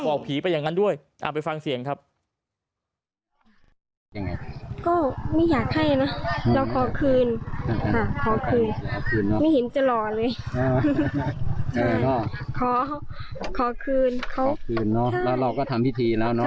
ขอคืนเนอะเราก็ทำพิธีแล้วเนอะ